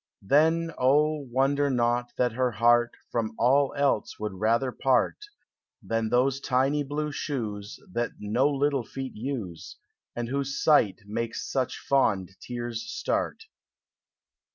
Then O wonder not that her heart From all else would rather part Than those t in v blue shoes That no little feet use, And whose sight makes such fond tears start!